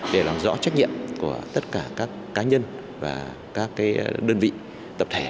để làm rõ trách nhiệm của tất cả các cá nhân và các đơn vị tập thể